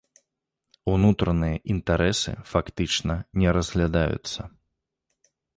Унутраныя інтарэсы фактычна не разглядаюцца.